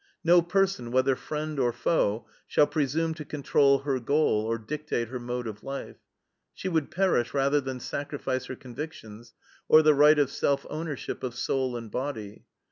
No person, whether friend or foe, shall presume to control her goal or dictate her mode of life. She would perish rather than sacrifice her convictions, or the right of self ownership of soul and body.